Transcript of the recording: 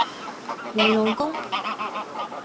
你老公？